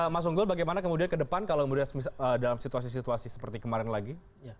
mas unggul bagaimana kemudian ke depan kalau dalam situasi situasi seperti kemarin lagi